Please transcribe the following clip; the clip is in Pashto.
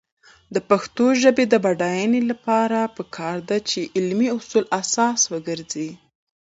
د پښتو ژبې د بډاینې لپاره پکار ده چې علمي اصول اساس وګرځي.